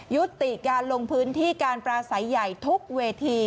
ยุติการลงพื้นที่การปราศัยใหญ่ทุกเวที